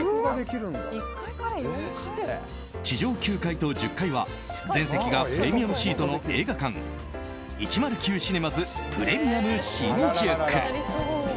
地上９階と１０階は全席がプレミアムシートの映画館１０９シネマズプレミアム新宿。